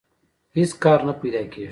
هېڅ کار نه پیدا کېږي